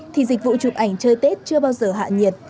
thì dịch vụ chụp ảnh chơi tết chưa bao giờ hạ nhiệt